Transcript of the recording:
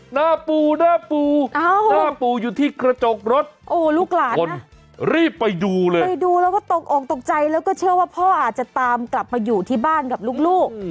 หน้าปูหน้าปูหน้าปูอยู่ที่กระจกรถโอ้ลูกหลานนะรีบไปดูเลยไปดูแล้วก็ตกอกตกใจแล้วก็เชื่อว่าพ่ออาจจะตามกลับมาอยู่ที่บ้านกับลูก